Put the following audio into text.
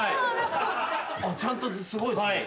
ちゃんとすごいっすね